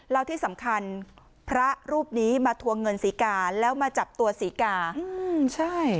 แล้วที่สำคัญพระรูปนี้มาทวงเงินศรีกาแล้วมาจับตัวศรีกาใช่